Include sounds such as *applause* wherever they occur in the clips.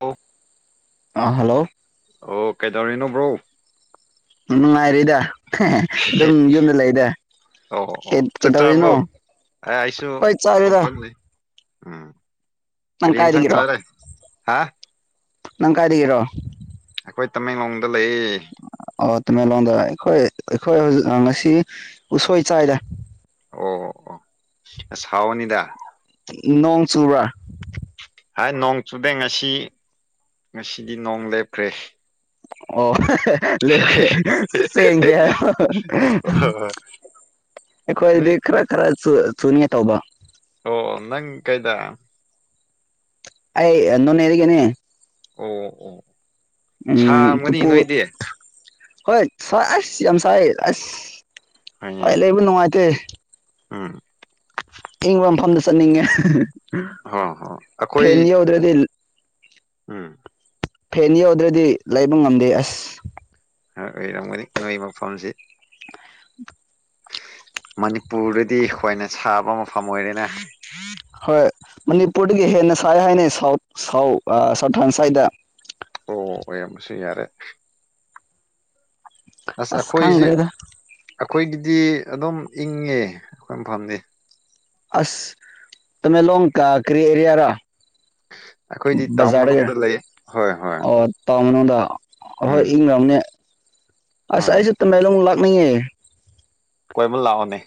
ꯑ ꯑ ꯍꯜꯂꯣ ꯑꯣ ꯀꯩꯗꯧꯔꯤꯅꯣ ꯕ꯭ꯔꯣ *unintelligible* ꯉꯥꯏꯔꯤꯗ ꯑꯗꯨꯝ ꯌꯨꯝꯗ ꯂꯩꯗ ꯑꯣ ꯑꯣ ꯆꯥꯛ ꯀꯩꯗꯧꯔꯤꯅꯣ ꯆꯥꯔꯕꯣ ꯍꯣꯏ ꯆꯥꯔꯤꯔꯤꯗ ꯑꯥ ꯀꯔꯤꯟ ꯁ ꯆꯂꯦ ꯍꯥ ꯅꯪ ꯀꯥꯏ ꯀꯦꯔꯣ ꯑꯩꯈꯣꯏ ꯇꯃꯦꯡꯂꯣꯡꯗ ꯂꯩꯌꯦ ꯑꯣ ꯇꯥꯃꯦꯂꯣꯟꯗ ꯑꯩꯈꯣꯏ ꯑꯩꯈꯣꯏ ꯍꯧꯖꯤ ꯉꯁꯤ ꯎꯁꯣꯏ ꯆꯥꯏꯗ ꯑꯣ ꯑꯣ ꯑꯣ ꯁꯥꯎꯅꯤꯗ ꯅꯣꯡ ꯆꯔꯕꯥ ꯍꯥꯏ ꯅꯣꯡ ꯆꯨꯗꯦ ꯉꯁꯤ ꯉꯁꯤꯗꯤ ꯅꯣꯡ ꯂꯦꯞꯈ꯭ꯔꯦ ꯑꯣ ꯂ ꯍꯣꯏ ꯅꯣꯏ ꯁꯦꯡꯈꯣꯏꯗꯤ ꯈꯔ ꯈꯔ ꯨ ꯆꯨꯅꯤ ꯇꯧꯕ ꯑꯣ ꯅꯪ ꯀꯩꯗ ꯑꯩ ꯅꯣꯅꯦ ꯍꯔꯤꯒꯦꯅꯦ ꯑꯣ ꯑꯣ ꯎ ꯁꯥꯔꯝꯒꯅꯤ ꯇꯨꯄꯨ ꯅꯣꯏꯗꯤ ꯍꯣꯏ ꯆꯋꯥ ꯑꯁꯤ ꯌꯥꯝ ꯁꯥꯏ ꯄꯥꯏ ꯍꯣꯏꯅꯦ ꯂꯩ ꯑꯩꯕꯨ ꯅꯅꯨꯡꯉꯥꯏꯇ ꯎꯝ ꯏꯪꯕ ꯃꯐꯝꯗ ꯆꯠꯅꯤꯡꯉꯦ ꯍꯣ ꯍꯣ ꯐꯦꯟ ꯌꯦ ꯑꯣꯗ꯭ꯔꯗꯤ ꯑꯝ ꯐꯦꯟ ꯌꯧꯗ꯭ꯔꯗꯤ ꯂꯩꯕ ꯉꯝꯗꯦ ꯑꯁ ꯑꯣꯏꯔꯝꯒꯅꯤ ꯅꯣꯏ ꯃꯐꯝꯁꯤ ꯃꯅꯤꯄꯨꯔꯗꯗꯤ ꯈ꯭ꯋꯥꯏꯅ ꯁꯥꯕ ꯃꯐꯝ ꯑꯣꯏꯔꯦꯅ ꯍꯣꯏ ꯃꯅꯤꯄꯨꯔꯗꯒꯤ ꯍꯦꯟꯅ ꯁꯥꯏ ꯍꯥꯏꯅꯩ ꯁꯥꯎꯠ ꯁꯥꯎ ꯁꯥꯎꯊꯥꯟ ꯁ꯭ꯋꯥꯏꯗ ꯑꯣ ꯑꯌꯥꯝꯕꯁꯨ ꯌꯥꯔꯦ ꯑꯁ ꯈꯪ꯭ꯔꯦꯗ ꯑꯩꯈꯣꯏꯒꯤꯗꯤ ꯑꯗꯨꯝ ꯏꯪꯉꯦ ꯑꯩꯈꯣꯏ ꯃꯐꯝꯗꯤ ꯑꯁ ꯇꯃꯦ ꯂꯣꯡꯣꯡ ꯀꯥ ꯀꯔꯤ ꯑꯦꯔꯤꯌꯥ ꯔ ꯑꯩꯈꯣꯏꯗꯤ ꯇꯥꯎꯟ ꯃꯅꯨꯡꯗ ꯂꯩ ꯍꯣꯏ ꯍꯣꯏ ꯀꯅꯗ ꯑꯍꯣꯏ ꯎꯝ ꯏꯪ ꯔꯝꯅꯦ ꯍꯣꯏ ꯑꯁꯥꯏꯁ ꯃꯃꯦꯂ ꯃꯤꯌꯦ ꯀꯣꯏꯃ ꯂꯥꯛꯑꯣꯅꯦ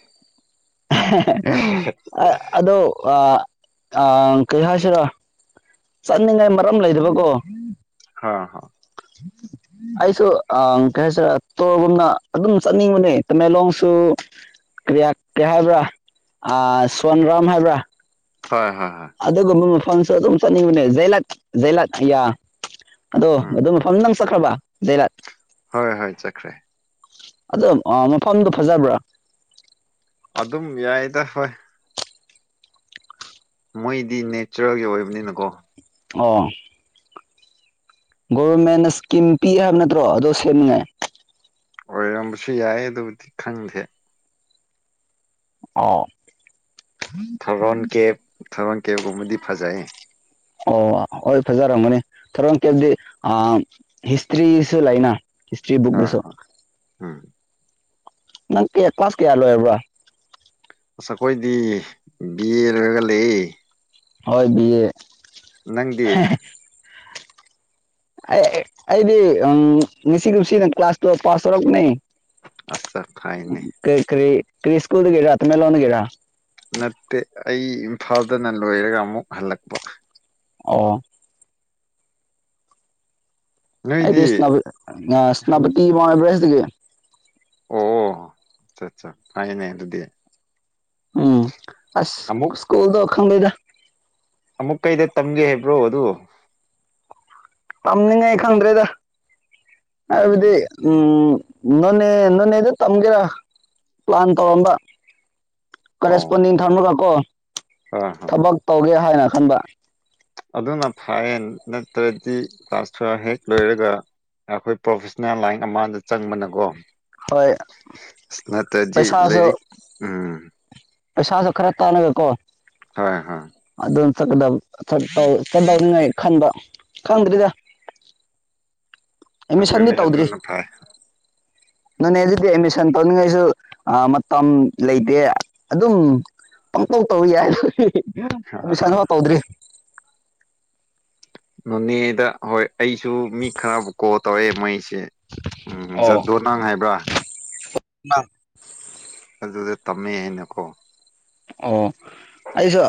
ꯑ ꯑꯗꯣ ꯑ ꯑ ꯀꯩ ꯍꯥꯏꯁꯤꯔ ꯆꯠꯅꯤꯡꯉꯥꯏ ꯃꯔꯝ ꯂꯩꯗꯕꯀꯣ ꯍꯥꯥ ꯍ ꯑꯩꯁꯨ ꯀꯩ ꯍꯥꯏꯁꯔꯦ ꯇꯣꯔꯒꯨꯝꯅ ꯑꯗꯨꯝ ꯆꯠꯅꯤꯡꯕꯅꯦ ꯇꯃꯦꯡꯂꯣꯡꯁꯨ ꯀꯔꯤꯌꯥ ꯍꯥꯏꯕ꯭ꯔꯥ ꯁꯣꯟ ꯔꯥꯝ ꯍꯥꯏꯕ꯭ꯔꯥ ꯍꯣꯏ ꯍꯣꯏ ꯍꯣꯏ ꯐꯣꯟꯁ ꯑꯗꯨꯝ ꯆꯅꯤꯡ ꯖꯂꯛ ꯖꯂꯛ ꯌꯥ ꯑꯗꯣ ꯎꯝ ꯑꯗꯨ ꯃꯐꯝ ꯅꯪ ꯈꯕ ꯗꯔꯠ ꯍꯣꯏ ꯍꯣꯏ ꯆꯀ꯭ꯔꯦ ꯑꯗꯣ ꯃꯐꯝꯗꯨ ꯐꯖꯕ꯭ꯔꯥ ꯑꯗꯨꯝ ꯌꯥꯏꯗ ꯍꯣꯏ ꯃꯣꯏꯗꯤ ꯅꯦꯆꯔꯦꯜꯒꯤ ꯑꯣꯏꯕꯅꯤꯅꯀꯣ ꯑ ꯒꯣꯚꯔꯃꯦꯟꯅ ꯏꯁꯀꯤꯝ ꯄꯤꯛꯑꯦ ꯍꯥꯏꯕ ꯅꯠꯇ꯭ꯔꯣ ꯑꯗꯣ ꯁꯦꯝꯅꯤꯡꯉꯥꯏ ꯑꯣꯏꯔꯝꯕꯁꯨ ꯌꯥꯏ ꯑꯗꯨꯕꯨꯗꯤ ꯈꯪꯗꯦ ꯑꯣ ꯊꯔꯣ ꯟ ꯀꯦ ꯊꯕꯪ ꯀꯦꯒꯨꯝꯕꯗꯤ ꯐꯖꯩ ꯑꯣ ꯍꯣꯏ ꯐꯖꯔꯝꯒꯅꯤ ꯊꯧꯔꯝ ꯀꯦꯞꯗꯤ ꯍꯤꯁꯇ꯭ꯔꯤꯁꯨ ꯂꯩꯅ ꯍꯤꯁꯇ꯭ꯔꯤ ꯕꯨꯛꯁꯣ ꯑꯥ ꯎꯝ ꯅꯪ ꯀ ꯄꯥꯁ ꯀꯌꯥ ꯂꯣꯏꯔꯕ꯭ꯔ ꯑꯁ ꯑꯩꯈꯣꯏꯗꯤ ꯕꯤꯦꯜꯔꯒ ꯂꯩ ꯍꯣꯏ ꯑ ꯅꯪꯗꯤ ꯑꯩꯗꯤ ꯃꯤꯁꯤꯁꯤ ꯀ꯭ꯂꯥꯁ ꯇ ꯄꯥꯁ ꯇꯔꯒ ꯅ ꯑꯁ ꯐꯥꯏꯅꯦ ꯀꯩ ꯀꯔꯤ ꯀ꯭ꯔꯤꯁꯀꯨꯜꯗꯒꯦꯔꯥꯇꯃꯦ ꯂꯣꯟꯒꯦꯔꯥ ꯅꯠꯇꯦ ꯑꯩ ꯏꯝꯐꯥꯜꯗꯅ ꯂꯣꯏꯔꯒ ꯑꯃꯨꯛ ꯍꯜꯂꯛꯄ ꯑꯣ ꯑꯩꯗꯤ ꯅꯣꯏꯗꯤ ꯏꯁꯅ ꯍꯜ ꯁꯅꯄꯇ ꯃꯕ꯭ꯔ *unintelligible* ꯑꯣ ꯑꯆꯥ ꯑꯠꯆꯥ ꯐꯩꯅꯦ ꯑꯗꯨꯗꯤ ꯎꯝ ꯑ ꯑꯃꯨꯛ ꯁ꯭ꯀꯨꯜꯗ ꯑꯣꯈꯝ ꯂꯩꯣꯏꯗꯥ ꯑꯃꯨꯛ ꯀꯩꯗ ꯇꯝꯒꯦ ꯍꯥꯏꯕ꯭ꯔꯣ ꯑꯗꯨ ꯌꯥꯝꯝꯅꯤ ꯉ ꯑꯩ ꯈꯗ꯭ꯔꯦꯗ ꯑꯕꯗꯤ ꯎꯝ ꯎꯝ ꯅꯣꯅꯦ ꯅꯣꯅꯦꯗ ꯇꯝꯒꯦꯔꯥ ꯄ꯭ꯂꯥꯟ ꯇꯧꯔꯝꯕ ꯑꯣ ꯀꯔꯦꯁꯄꯣꯟꯗꯤꯡ ꯊꯔꯃꯒꯀꯣ ꯍꯣꯏ ꯍꯣꯏ ꯍꯣꯏ ꯊꯕꯛ ꯇꯧꯒꯦ ꯍꯥꯏꯅ ꯑꯝꯕ ꯑꯗꯨꯅ ꯐꯥꯏꯦꯟ ꯅꯠꯇ꯭ꯔꯗꯤ ꯀ꯭ꯂꯥꯁ ꯇꯨꯌꯦꯜꯚ ꯍꯦꯛ ꯂꯣꯏꯔꯒ ꯑꯩꯈꯣꯏ ꯄ꯭ꯔꯣꯐꯦꯁꯅꯦꯜ ꯂꯥꯏꯟ ꯑꯃꯗ ꯆꯪꯕꯅꯀꯣ ꯍꯣꯏ ꯁꯅꯥꯇꯖꯤ ꯂꯩꯔꯤꯛ ꯎꯝ ꯄꯩꯁꯗ ꯈꯔ ꯇꯥꯅꯕꯣ ꯍꯣꯏ ꯍꯣꯏ ꯆꯗꯕ ꯆꯠꯇꯧꯅꯤꯡꯉꯥꯏ ꯈꯟꯕ ꯈꯪꯗ꯭ꯔꯔꯤꯗ ꯑꯗꯨꯅꯤ ꯑꯗꯨꯅ ꯐꯥꯏ ꯅꯣꯅꯦꯗꯤ ꯑꯦꯗꯃꯤꯁꯟ ꯇꯧꯅꯤꯡꯉꯥꯏꯁꯨ ꯃꯇꯝ ꯂꯩꯇꯦ ꯑꯗꯨꯝ ꯄꯥꯡꯊꯣꯛ ꯇꯧ ꯌꯥꯏꯗꯤ ꯍꯣꯏ ꯍꯣꯏ ꯃꯤꯁꯥꯗ ꯇꯧꯗ꯭ꯔꯤ ꯅꯅꯤꯗ ꯍꯣꯏ ꯑꯩ ꯁꯨ ꯃꯤ ꯈꯔꯕꯨ ꯀꯣ ꯇꯧꯔꯛꯑꯦ ꯃꯣꯏꯁꯦ ꯎꯝ ꯖꯗꯣꯅꯥꯡ ꯍꯥꯏꯕ꯭ꯔꯥ ꯑ ꯑꯗꯨ ꯑꯗꯨꯗ ꯇꯝꯃꯦ ꯅꯈꯣ ꯑꯣ ꯑꯁꯨꯣ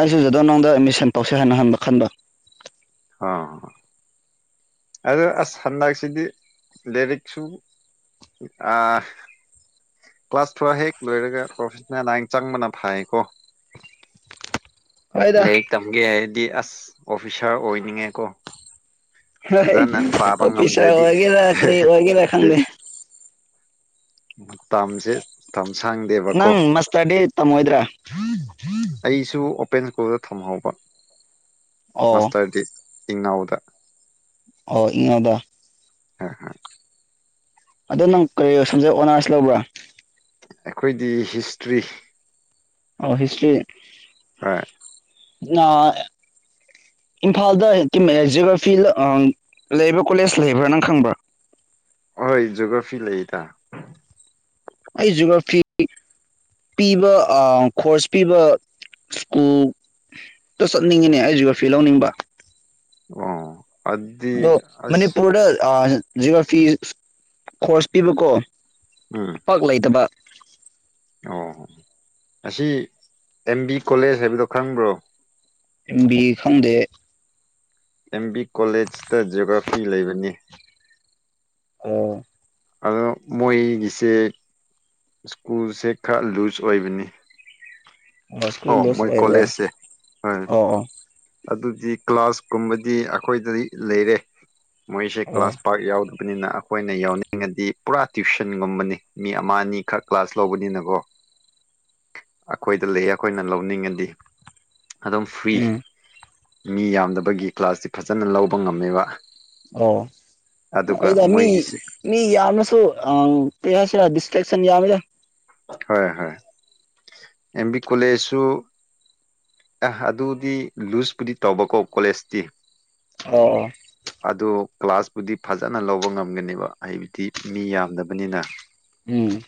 ꯑꯁꯨꯗ ꯅꯗ ꯇ ꯁꯦꯟ ꯇꯧꯁꯦ ꯍꯥꯏꯅ ꯍꯟꯕ ꯈꯟꯕ ꯍꯥꯥ ꯑꯗꯣ ꯑꯁ ꯍꯟꯗꯛꯁꯤꯗꯤ ꯂꯥꯏꯔꯤꯛꯁꯨ ꯀ꯭ꯂꯥꯁ ꯐꯣꯔ ꯍꯦꯛ ꯂꯣꯏꯔꯒ ꯄ꯭ꯔꯣꯐꯦꯁꯅꯦꯜ ꯅꯥꯥꯏꯟ ꯆꯪꯕꯅ ꯐꯥꯏꯌꯦꯀꯣ ꯍꯣꯏꯗ ꯂꯩ ꯇꯝꯒꯦ ꯍꯥꯏꯗꯤ ꯑ ꯑꯣꯐꯤꯁꯥꯔ ꯑꯣꯏꯅꯤꯡꯉꯦꯀꯣ ꯍꯣꯏ ꯐꯖꯅ ꯄꯥꯕ ꯑꯣꯐꯤꯁꯥ ꯉꯝꯗ꯭ꯔꯗꯤ ꯑꯣꯏꯒꯦꯔꯥ ꯀꯔꯤ ꯑꯣꯏꯒꯦꯔꯥ ꯈꯪꯗꯦ ꯃꯠꯇꯝꯁꯦ ꯅꯪ ꯃꯁꯇꯔꯗꯤ ꯇꯝꯃꯣꯏꯗ꯭ꯔꯥ ꯑꯩꯁꯨ ꯑꯣꯄꯦꯟ ꯁ꯭ꯀꯨꯜꯗ ꯊꯝꯍꯧꯕ ꯑꯣ ꯃꯁꯥꯏꯇꯦ ꯏꯉꯎꯗ *unintelligible* ꯑꯣ ꯏꯉꯥꯗ ꯑ ꯍꯥ ꯑꯗꯣ ꯅꯪ ꯀꯔꯤ ꯁꯝꯖꯦ ꯑꯣꯅꯔꯁ ꯂꯧꯕ꯭ꯔꯥ ꯑꯩꯈꯣꯏꯗꯤ ꯍꯤꯁꯇ꯭ꯔꯤ ꯑꯣ ꯍꯤꯁꯇ꯭ꯔꯤ ꯍꯣꯏ ꯏꯝꯐꯥꯜꯗ ꯖꯤꯑꯣꯒ꯭ꯔꯥꯐꯤ ꯂꯩꯕ꯭ꯔꯥ ꯀꯣꯂꯦꯖ ꯂꯩꯕ꯭ꯔꯥ ꯅꯪ ꯈꯪꯕ꯭ꯔꯥ ꯍꯣꯏ ꯖꯣꯒ꯭ꯔꯥꯐꯤ ꯂꯩꯇ ꯑꯩ ꯖꯤꯒ꯭ꯔꯥꯐꯤ ꯄꯤꯕ ꯀꯣꯔꯣꯔꯁ ꯄꯤꯕ ꯁ꯭ꯀꯨꯜꯗ ꯆꯠꯅꯤꯡꯉꯤꯅꯦ ꯑꯩ ꯖꯤꯒ꯭ꯔꯥꯐꯤ ꯂꯧꯅꯤꯡꯕ ꯑ ꯑꯗꯣ ꯃꯅꯤꯄꯨꯔꯗ ꯑ ꯖꯤꯒ ꯐꯤ ꯈꯣꯁ ꯄꯤꯕꯀꯣ ꯎꯝ ꯄꯥꯛ ꯂꯩꯇꯕ ꯑꯣ ꯑꯁꯤ ꯑꯦꯝ ꯕꯤ ꯀꯣꯂꯦꯖ ꯍꯥꯏꯕꯗꯣ ꯈꯪꯕ꯭ꯔꯣ ꯕꯤ ꯈꯪꯗꯦ ꯑꯦꯦꯝꯕꯤ ꯀꯣꯂꯦꯖ ꯇ ꯖꯤꯑꯣꯒ꯭ꯔꯥꯐꯤ ꯂꯩꯕꯅꯤ ꯑꯣ ꯑꯗꯣ ꯃꯣꯏꯒꯤꯁꯦ ꯁ꯭ꯀꯨꯜꯁꯦ ꯈꯔ ꯂꯨꯖ ꯑꯣꯏꯕꯅꯤ ꯁꯀꯨꯜ ꯑꯣ ꯂꯣꯁ ꯃꯣꯏ ꯑꯣꯏꯕ꯭ꯔ ꯀꯣꯂꯦꯖꯁꯦ ꯍꯣꯏ ꯑꯣ ꯑꯗꯨꯗꯤ ꯀ꯭ꯂꯥꯁꯀꯨꯝꯕꯗꯤ ꯑꯩꯈꯣꯏꯗ ꯂꯩꯔꯦ ꯃꯣꯏꯁꯦ ꯑꯣ ꯀ꯭ꯂꯥꯁ ꯄꯥꯛ ꯌꯥꯎꯗꯕꯅꯤꯅ ꯑꯩꯈꯣꯏꯅꯦ ꯌꯥꯎꯅꯤ ꯅꯤꯡꯉꯗꯤ ꯄꯨꯔꯥ ꯇ꯭ꯋꯁꯟꯒꯨꯝꯕꯅꯤ ꯃꯤ ꯑꯃ ꯑꯅꯤꯈꯛ ꯀ꯭ꯂꯥꯁ ꯂꯧꯕꯅꯤꯅꯀꯣ ꯑꯩꯈꯣꯏꯗ ꯂꯩ ꯑꯩꯈꯣꯏꯅ ꯂꯧꯅꯤꯡꯉꯗꯤ ꯑꯗꯨꯝ ꯐ꯭ꯔꯤ ꯎꯝ ꯃꯤ ꯌꯥꯝꯗꯕꯒꯤ ꯀ꯭ꯂꯥꯁꯁꯤ ꯐꯖꯅ ꯂꯧꯕ ꯉꯝꯃꯦꯕ ꯑꯣ ꯑꯗꯨꯒ ꯏꯗ ꯃꯤ ꯃꯣꯏꯒꯤꯁꯤ ꯃꯤ ꯌꯥ ꯌꯥꯝꯃꯁꯨ ꯄ ꯍꯥꯏꯁꯤꯗꯤꯁꯇ꯭ꯔꯁꯟ ꯌꯥꯃ ꯍ ꯍꯣꯏ ꯑꯦꯝ ꯕꯤ ꯀꯣꯂꯦꯖꯁꯨ ꯑ ꯑꯗꯨꯗꯤ ꯂꯨꯖꯄꯨꯗꯤ ꯇꯧꯕꯀꯣ ꯀꯣꯂꯦꯖꯇꯤ ꯑꯣ ꯑꯣ ꯑꯗꯣ ꯀ꯭ꯂꯥꯁꯄꯨꯗꯤ ꯐꯖꯅ ꯂꯧꯕ ꯉꯝꯒꯅꯦꯕ ꯑꯩꯕꯨꯗꯤ ꯃꯤ ꯌꯥꯝꯗꯕꯅꯤꯅ ꯎꯝ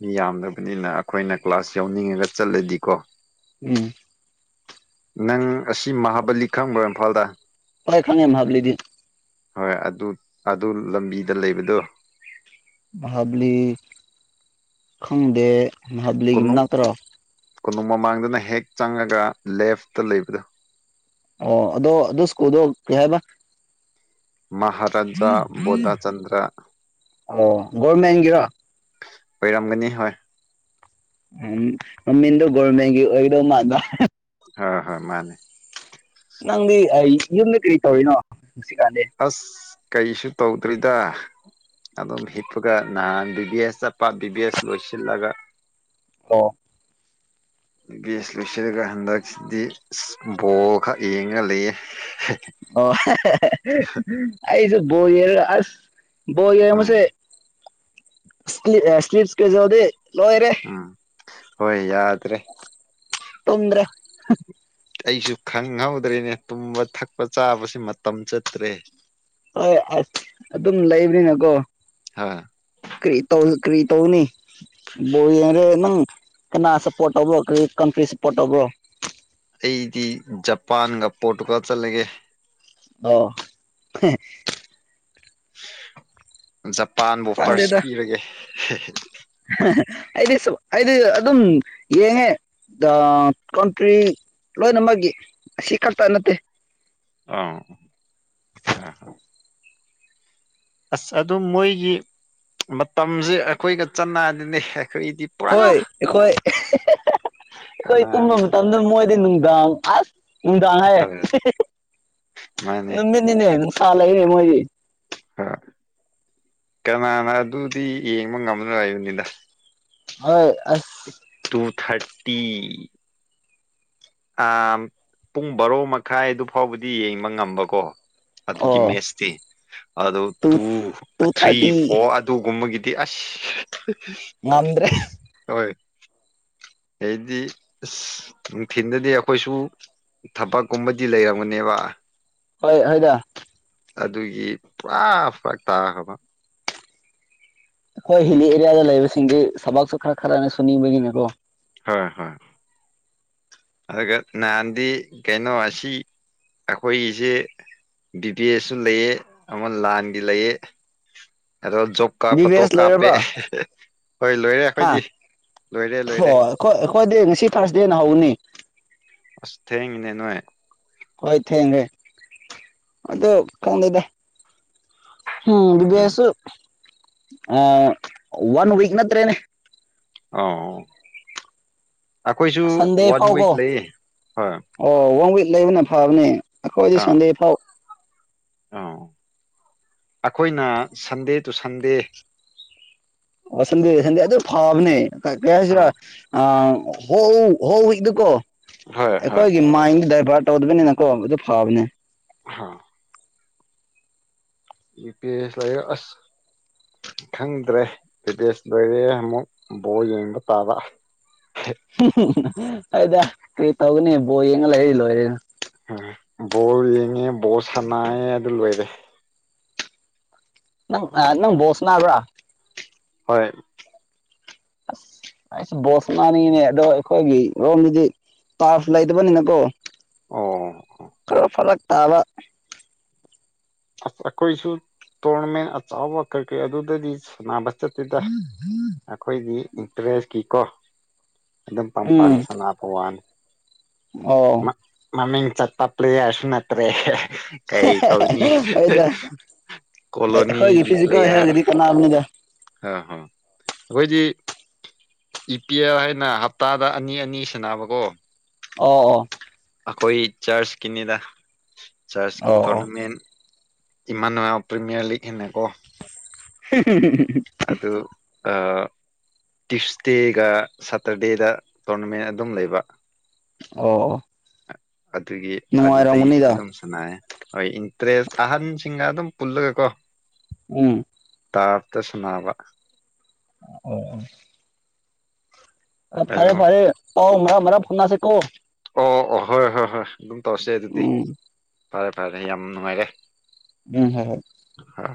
ꯃꯤ ꯌꯥꯝꯗꯕꯅꯤꯅ ꯑꯩꯈꯣꯏꯅ ꯀ꯭ꯂꯥꯁ ꯌꯥꯎꯅꯤꯡꯉꯒ ꯆꯠꯂꯗꯤꯀꯣ ꯎꯝ ꯅꯪ ꯑꯁꯤ ꯃꯍꯥꯕꯂꯤ ꯈꯪꯕ꯭ꯔꯣ ꯏꯝꯐꯥꯜꯗ ꯍꯣꯏ ꯈꯉ ꯌꯥꯝ ꯍꯥꯞꯂꯤ ꯍꯣꯏ ꯑꯗꯨ ꯑꯗꯨ ꯂꯝꯕꯤꯗ ꯂꯩꯕꯗꯣ ꯥꯕꯂꯤ ꯈꯪꯗꯦ ꯍꯥꯗꯂꯤꯒ ꯀꯣꯅꯨꯡ ꯏꯅꯠꯇ꯭ꯔ ꯀꯣꯅꯨꯡ ꯃꯃꯥꯡꯗꯅ ꯍꯦꯛ ꯆꯪꯉꯒ ꯂꯦꯐꯇ ꯂꯩꯕꯗꯣ ꯑꯣ ꯑꯗꯣ ꯑꯗꯨ ꯁ꯭ꯀꯨꯜꯗꯣ ꯀꯩ ꯍꯥꯏꯕ ꯃꯍꯥꯔꯥꯖꯥ ꯕꯣꯙꯥꯆꯟꯗ꯭ꯔ ꯑꯣ ꯒꯧꯃꯦ ꯍꯒꯤꯔ ꯑꯣꯏꯔꯝꯒꯅꯤ ꯍ ꯅꯃꯤꯗꯨ ꯣꯜꯃꯒꯤ ꯑꯣꯏꯗꯣ ꯃꯥꯕ ꯍꯣꯏ ꯍꯣꯏ ꯃꯥꯅꯦ ꯅꯪ ꯏꯂ ꯀꯔꯤ ꯀꯣꯅꯣ ꯅꯨꯡꯁꯤꯀꯗꯦ ꯑꯁ ꯀꯩꯁꯨ ꯇꯧꯗ꯭ꯔꯤꯗ ꯑꯗꯨꯝ ꯍꯤꯞꯄꯒ ꯅꯍꯥꯟ ꯕꯤ ꯚꯕꯤ ꯑꯦꯁ ꯆꯠꯄ ꯕꯤ ꯚꯕꯤ ꯑꯦꯁ ꯂꯣꯏꯁꯤꯜꯂꯒ ꯑꯣ ꯕꯦꯁ ꯂꯣꯏꯁꯤꯜꯂꯒ ꯍꯟꯗꯛꯁꯤꯗꯤ ꯕꯣꯜ ꯈꯛ ꯌꯦꯡꯉ ꯂꯩꯌꯦ ꯑꯣ ꯑꯩꯁꯨ ꯣꯔ ꯑꯁ ꯌꯥ ꯎꯝ ꯃꯁꯦ ꯁꯞꯁ ꯀꯦꯖꯗꯦ ꯂꯣꯏꯣꯏꯔꯦ ꯎꯝ ꯍꯣꯏ ꯌꯥꯗ꯭ꯔꯦ ꯇꯨꯝꯗꯔꯦ ꯑꯩꯁꯨ ꯈꯪꯍꯧꯗ꯭ꯔꯦꯅꯦ ꯇꯨꯝꯕ ꯊꯛꯄ ꯆꯥꯕꯕꯁꯤ ꯃꯇꯝ ꯆꯠꯇ꯭ꯔꯦ ꯍꯣꯏ ꯑꯁ ꯑꯗꯨꯝ ꯂꯩꯕꯅꯤꯅꯀꯣ ꯍꯥ ꯀꯔꯤ ꯇꯧ ꯀꯔꯤ ꯇꯧꯅꯤ ꯕꯣꯔ ꯌꯦꯡꯔꯦ ꯅꯪ ꯀꯅꯥꯁꯄꯣꯔꯠ ꯇꯧꯕ꯭ꯔꯣ ꯀꯔꯤ ꯀꯟꯐ꯭ꯔꯤꯁꯄꯣꯔꯠ ꯇꯧꯕ꯭ꯔꯣ ꯑꯩꯗꯤ ꯖꯄꯥꯟꯒ ꯄꯣꯔꯇꯨꯒꯥꯜ ꯆꯠꯂꯒꯦ ꯑꯣ ꯖꯄꯥꯟꯕꯨ ꯐꯥꯔꯁ ꯈꯪꯗꯦꯗ ꯄꯤꯔꯒꯦ ꯑꯩꯗꯤ ꯁ ꯑꯩꯗꯤ ꯑꯗꯨꯝ ꯌꯦꯡꯉꯦ ꯀꯟꯇ꯭ꯔꯤ ꯂꯣꯏꯅꯃꯛꯀꯤ ꯑꯁꯤ ꯈꯛꯇ ꯅꯠꯇꯦ ꯑꯥ ꯑꯁ ꯑꯗꯨ ꯃꯣꯏꯒꯤ ꯃꯇꯝꯁꯦ ꯑꯩꯈꯣꯏꯒ ꯆꯅꯥꯗꯤꯅꯦꯛ ꯍꯣꯏ ꯑꯩꯈꯣꯏ ꯑꯩꯈꯣꯏ ꯇꯨꯝꯕ ꯀꯅꯥꯅ ꯃꯇꯝꯗ ꯃꯣꯏꯗꯤ ꯅꯨꯡꯗꯥꯡ ꯑꯁ ꯅꯨꯡꯗꯥꯡ ꯍꯥꯏ ꯍꯣꯏ ꯃꯥꯅꯦ ꯅꯨꯃꯤꯠꯅꯤꯅꯦ ꯁꯥ ꯂꯩꯌꯦ ꯃꯣꯏꯒꯤ ꯍꯣꯏ ꯀꯅꯥꯅ ꯑꯗꯨꯗꯤ ꯌꯦꯡꯕ ꯉꯝꯂꯣꯏ ꯍꯥꯏꯕꯅꯤꯗ ꯍꯣꯏ ꯑꯁ ꯊꯥꯔꯇꯤ ꯑ ꯄꯨꯡ ꯕꯥꯔꯣ ꯃꯈꯥꯏ ꯑꯗꯨ ꯐꯥꯎꯕꯗꯤ ꯌꯦꯡꯕ ꯉꯝꯕꯀꯣ ꯑꯗꯨꯒꯤ ꯑꯣ ꯃꯦꯠꯁꯇꯤ ꯑꯗꯨ two two three thirty four ꯑꯗꯨꯒꯨꯝꯕꯒꯤ ꯗꯤ ꯑꯁ ꯉꯝꯗ꯭ꯔꯦ ꯍꯣꯏ ꯑꯩꯗꯤ ꯑꯁ ꯅꯨꯡꯊꯤꯟꯗꯗꯤ ꯑꯩꯈꯣꯏꯁꯨ ꯍꯣꯏ ꯍꯣꯏꯗ ꯑꯗꯨꯒꯤ ꯄꯨꯔꯥ ꯐꯔꯛ ꯇꯥꯈ꯭ꯔꯕ ꯍꯣꯏ ꯍꯤꯂꯤ ꯑꯦꯔꯤꯌꯥꯗ ꯂꯩꯕꯁꯤꯡꯗꯤ ꯊꯕꯥꯛꯁꯨ ꯈꯔ ꯈꯔꯅ ꯁꯨꯅꯤꯡꯕꯅꯤꯅꯀꯣ ꯍꯣꯏ ꯍꯣꯏ ꯑꯗꯨꯒ ꯅꯍꯥꯟꯗꯤ ꯀꯩꯅꯣ ꯑꯁꯤ ꯑꯩꯈꯣꯏꯒꯤꯁꯦ ꯕꯤ ꯕꯤ ꯑꯦꯁ ꯁꯨ ꯂꯩꯑꯦ ꯑꯃ ꯂꯥꯟꯒꯤ ꯂꯩꯌꯦ ꯑꯗꯣ ꯖꯣꯕ ꯀꯥꯔꯗ ꯗꯤꯚ ꯐꯣꯇꯣ ꯑꯦꯁ ꯀꯥꯞꯄꯦ ꯂꯣꯏꯔꯕ ꯍꯥ ꯍꯣꯏ ꯂꯣꯏꯔꯦ ꯍ ꯑꯩꯈꯣꯏꯗꯤ ꯂꯣꯏꯔꯦ ꯂꯣꯏꯔꯦ ꯑꯩꯈꯣꯏ ꯑꯩꯈꯣꯏꯗꯤ ꯉꯁꯤ ꯐꯥꯔꯁ ꯗꯦꯅ ꯍꯧꯅꯤ ꯑꯁ ꯊꯦꯡꯉꯤꯅꯦ ꯅꯣꯥꯏ ꯍꯣꯏ ꯊꯦꯟꯒꯦ ꯑꯗꯣ ꯈꯪꯗꯦꯗꯥ ꯎꯝ ꯕꯤ ꯕꯦꯁꯨ ꯑ ꯋꯥꯟ ꯋꯤꯛ ꯅꯠꯇ꯭ꯔꯦꯅꯦ ꯑꯥ ꯑꯈꯣꯏꯁꯨ ꯁꯟꯗꯦ ꯋꯥꯟ ꯋꯤꯛ ꯐꯥꯎꯀꯣ ꯂꯩ ꯑꯦ ꯑꯣ ꯋꯥꯟ ꯋꯤꯛ ꯂꯩꯕꯅ ꯐꯕꯅꯦ ꯑꯈꯣ ꯑꯩꯗꯤ ꯁꯟꯗꯦ ꯐꯥꯎ ꯑꯥ ꯑꯩꯈꯣꯏꯅ ꯁꯟꯗꯦ ꯇꯨ ꯁꯟꯗꯦ ꯑꯣꯁꯟ ꯗꯦ ꯁꯟꯗꯦ ꯑꯗꯨꯐꯕꯅꯦ ꯀꯩ ꯍꯥꯏꯁꯤꯔꯥ ꯑꯥ ꯑꯥ ꯍꯣ ꯍꯧ ꯏꯗꯨꯀꯣ ꯍꯣꯏ ꯍꯣꯏ ꯑꯩꯈꯣꯏꯒꯤ ꯃꯥꯏ ꯗꯔꯕꯥꯔ ꯀꯎꯗꯕꯅꯤ ꯅ ꯀꯣꯗ ꯐꯥꯕꯅꯦ ꯍꯥꯥ ꯌꯨ ꯄꯤ ꯑꯦꯁ ꯍꯨꯝ ꯍꯨꯃ ꯑꯗ ꯀꯔꯤ ꯇꯥꯒꯅꯤ ꯕꯣꯜ ꯌꯦꯡꯂ ꯂꯩ ꯂꯣꯏꯔꯦꯗꯥ ꯎꯝ ꯕꯣꯜ ꯌꯦꯡꯉꯦ ꯕꯣꯜ ꯁꯥꯟꯅꯑꯦ ꯑꯗꯨ ꯂꯣꯏꯔꯦ ꯅꯪ ꯑ ꯅꯪ ꯕꯣꯜ ꯁꯥꯟꯅꯕ꯭ꯔꯥ ꯍꯣꯏ ꯑꯁ ꯑꯩꯁ ꯕꯣꯜ ꯁꯥꯟꯅꯅꯤꯡꯉꯤꯅꯦ ꯑꯗꯣ ꯑꯩꯈꯣꯏꯒꯤ ꯔꯣꯝꯒꯤꯗꯤ ꯇ꯭ꯔꯐ ꯂꯩꯇꯕꯅꯤꯅꯀꯣ ꯑꯣ ꯑꯕ ꯑ ꯑꯩꯈꯣꯏꯁꯨ ꯇꯣꯔꯃꯦꯟ ꯑꯆꯕ ꯀꯛꯀ ꯑꯗꯨꯗꯗꯤ ꯁ ꯆꯠꯇꯨꯗ ꯑꯩꯈꯣꯏꯒꯤ ꯏꯟꯇꯔꯦꯁꯀꯤꯀꯣ ꯑꯗꯨꯝ ꯄꯪꯄ ꯎꯝ ꯁꯅꯥꯄ ꯋꯥꯅꯤ ꯑꯣ ꯃꯃꯤꯡ ꯆꯠꯄꯄꯂꯤ ꯑꯁ ꯅꯠꯇ꯭ꯔꯦ ꯀꯩ ꯇꯧꯅꯤ ꯍꯗ ꯍꯣꯏꯒꯤ ꯀꯣꯂꯣꯅꯤꯒꯤ ꯐꯤꯖꯤꯀꯦꯜ ꯄ꯭ꯂꯦꯌꯥꯔ ꯍꯒꯗꯤ ꯀꯅꯥꯕꯅꯤꯗ ꯑ ꯍꯣ ꯑꯩꯈꯣꯏꯗꯤ ꯏ ꯄꯤ ꯑꯦꯜ ꯍꯥꯏꯅ ꯍꯞꯇꯥꯗ ꯑꯅꯤ ꯑꯅꯤ ꯁꯅꯕꯀꯣ ꯑꯣ ꯑꯣ ꯈꯣꯏ ꯆꯔꯁ ꯀꯅꯤꯗ ꯆꯔꯆꯀꯤ ꯑꯣ ꯑꯣ ꯇꯣꯔꯅꯥꯃꯦꯟ ꯏꯃꯅ ꯍ ꯄꯤꯃꯤꯌꯔ ꯂ ꯂꯤꯒ ꯍꯦꯅꯦꯀꯣ *unintelligible* ꯇꯤꯁ ꯗꯦꯒ ꯁꯇꯔꯗꯦꯗ ꯇꯣꯔꯅꯃꯦꯟ ꯑꯗꯨꯝ ꯂꯩꯕ ꯑꯣ ꯑꯣ ꯑꯗꯨꯒꯤ ꯑꯗꯨꯗꯩ ꯅꯨꯡꯉꯥꯏꯔꯝꯒꯅꯤꯗ ꯑꯗꯨꯝ ꯁꯅꯦ ꯍꯣꯏ ꯏꯟꯇꯔꯦꯁ ꯑꯍꯟꯁꯤꯡꯒ ꯑꯗꯨꯝ ꯄꯨꯜꯂꯒꯦꯀꯣ ꯎꯝ ꯇꯥꯔꯊ ꯁꯨꯅꯥꯕ ꯑꯣ ꯑꯣ ꯑ ꯐꯔꯦ ꯑꯗꯨꯝ ꯐꯔꯦ ꯑꯣ ꯃ ꯐꯣꯟꯅꯥ ꯁꯤꯦꯀꯣ ꯑꯣ ꯍꯣꯏ ꯍꯣꯏ ꯍꯣꯏ ꯑꯗꯨꯝ ꯇꯧꯔꯁꯦ ꯑꯗꯨꯗꯤ ꯎꯝ ꯐꯔꯦ ꯐꯔꯦ ꯌꯥꯝ ꯅꯨꯡꯉꯥꯏꯔꯦ ꯎꯝ ꯍꯝ ꯍꯣꯏ